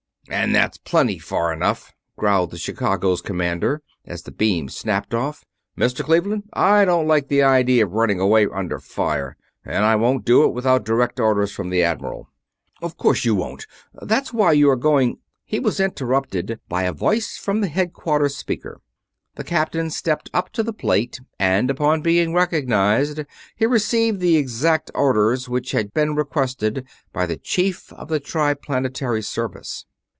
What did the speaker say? "And that's plenty far enough!" growled the Chicago's commander, as the beam snapped off. "Mr. Cleveland, I don't like the idea of running away under fire, and I won't do it without direct orders from the Admiral." "Of course you won't that's why you are going...." He was interrupted by a voice from the Headquarters speaker. The captain stepped up to the plate and, upon being recognized, he received the exact orders which had been requested by the Chief of the Triplanetary Service.